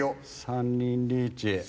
３人リーチ。